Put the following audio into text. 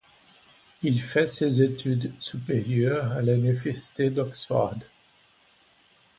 Il fait ses études supérieures à l'Université d'Oxford.